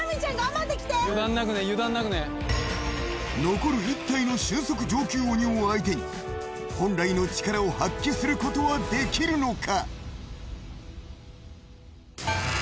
残る１体の俊足上級鬼を相手に本来の力を発揮することはできるのか。